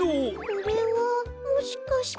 これはもしかして？